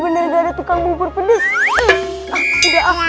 bilang itu bener bener